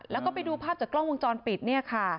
แล้วก็ไปดูภาพจากกล้องวงจรปิดเนี่ยค่ะ